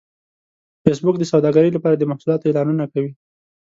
فېسبوک د سوداګرۍ لپاره د محصولاتو اعلانونه کوي